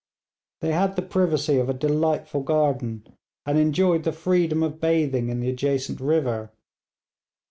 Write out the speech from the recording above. They had the privacy of a delightful garden, and enjoyed the freedom of bathing in the adjacent river.